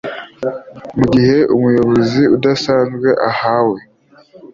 Mu gihe umuyobozi udasanzwe ahawe